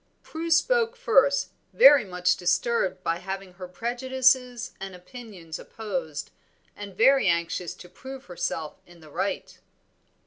Prue spoke first, very much disturbed by having her prejudices and opinions opposed, and very anxious to prove herself in the right.